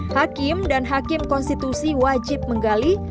hakim dan hakim konstitusi wajib menggali